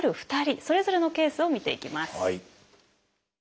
それぞれのケースを見ていきます。